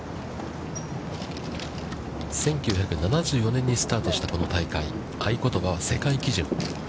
１９７４年にスタートしたこの大会、合い言葉は「世界基準」。